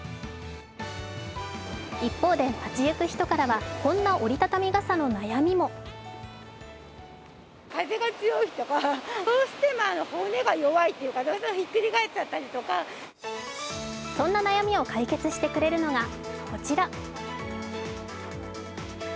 一方で街行く人からは、こんな折り畳み傘の悩みもそんな悩みを解決してくれるのがこちら。